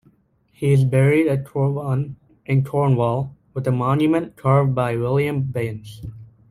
He is buried at Crowan in Cornwall with a monument carved by William Behnes.